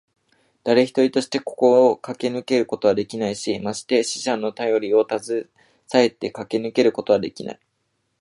だれ一人としてここをかけ抜けることはできないし、まして死者のたよりをたずさえてかけ抜けることはできない。